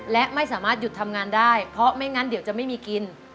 และไม่สามารถหยุดทำงานได้เพราะไม่งั้นเดี๋ยวจะไม่มีกิน